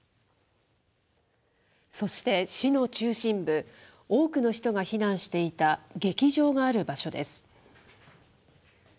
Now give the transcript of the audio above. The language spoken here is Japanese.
そして、市の中心部、多くの人が避難していた劇場がある場所です。